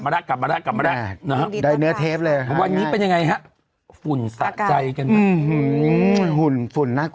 ได้๑๐นาทีครับอ่า